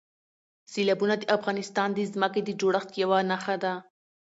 سیلابونه د افغانستان د ځمکې د جوړښت یوه نښه ده.